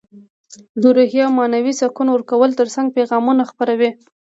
د روحي او معنوي سکون ورکولو ترڅنګ پیغامونه خپروي.